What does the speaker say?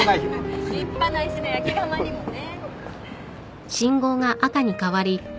立派な石の焼き窯にもね。